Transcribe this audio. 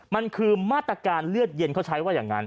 มันคือมาตรการเลือดเย็นเขาใช้ว่าอย่างนั้น